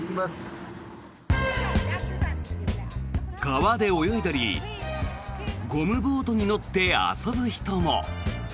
川で泳いだりゴムボートに乗って遊ぶ人も。